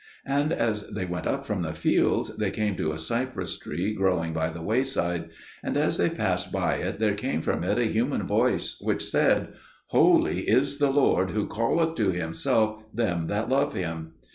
And as they went up from the fields, they came to a cypress tree growing by the wayside; and as they passed by it there came from it a human voice, which said, "Holy is the Lord who calleth to Himself them that love Him."